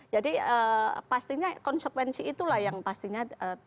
jadi pastinya konsekuensi itulah yang pastinya